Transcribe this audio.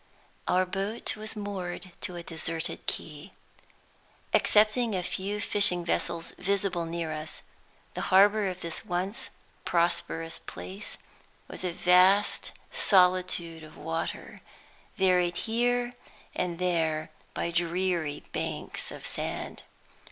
Our boat was moored to a deserted quay. Excepting a few fishing vessels visible near us, the harbor of this once prosperous place was a vast solitude of water, varied here and there by dreary banks of sand.